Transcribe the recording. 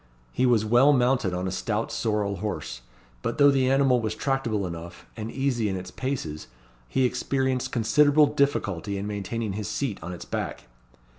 He was well mounted on a stout sorrel horse; but though the animal was tractable enough, and easy in its paces, he experienced considerable difficulty in maintaining his seat on its back.